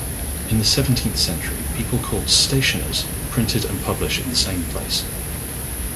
In the seventeenth century, people called "Stationers" printed and publish in the same place.